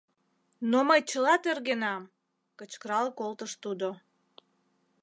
— Но мый чыла тергенам! — кычкырал колтыш тудо.